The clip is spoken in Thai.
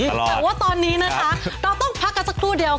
แต่ว่าตอนนี้นะคะเราต้องพักกันสักครู่เดียว